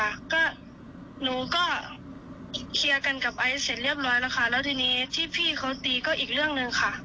ค่ะก็หนูก็เคลียร์กันกับไอซ์เสร็จเรียบร้อยแล้วค่ะแล้วทีนี้ที่พี่เขาตีก็อีกเรื่องหนึ่งค่ะ